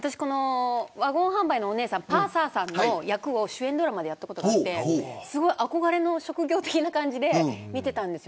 ワゴン販売のお姉さんパーサーさんの役を主演ドラマでやったことがあって憧れの職業みたいな感じで見ていたんです。